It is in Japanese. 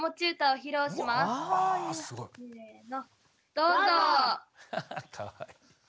どうぞ！